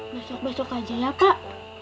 besok besok aja ya kak